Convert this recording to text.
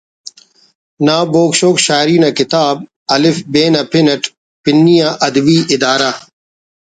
نا بوگ شوگ شاعری نا کتاب ”الف ب“ نا پن اٹ پنی آ ادبی ادارہ